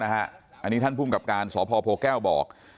อันนี้ท่านภูมิกับการสพโพแก้วบอก